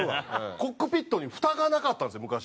コックピットにフタがなかったんですよ昔。